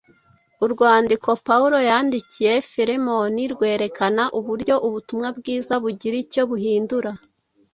Urwandiko Pawulo yandikiye Filemoni rwerekana uburyo ubutumwa bwiza bugira icyo buhindura